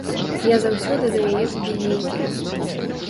Я заўсёды да яе туды ездзіла.